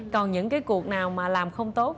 còn những cái cuộc nào mà làm không tốt